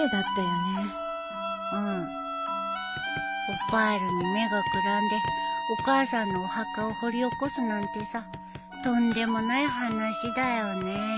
オパールに目がくらんでお母さんのお墓を掘り起こすなんてさとんでもない話だよね。